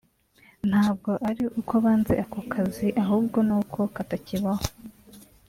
ntabwo ari uko banze ako kazi ahubwo n’uko katakibaho